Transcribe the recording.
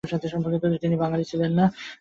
তিনি বাঙালি ছিলেন না।